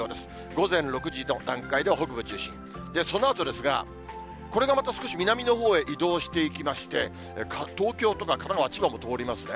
午前６時の段階では北部中心、そのあとですが、これがまた少し南のほうへ移動していきまして、東京とか神奈川、千葉も通りますね。